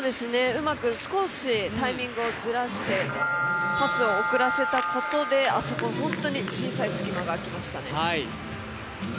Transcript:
少しタイミングをずらして、パスを遅らせたことで本当に小さい隙間が空きましたね。